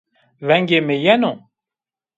Vengê mi yeno?